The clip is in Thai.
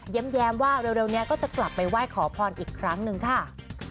แย้มว่าเร็วนี้ก็จะกลับไปไหว้ขอพรอีกครั้งหนึ่งค่ะ